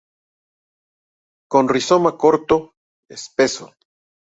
Con rizoma corto, espeso.